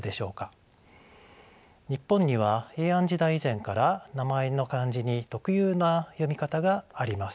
日本には平安時代以前から名前の漢字に特有な読み方があります。